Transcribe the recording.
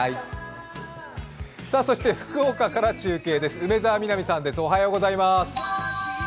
そして福岡から中継です、梅澤美波さんです。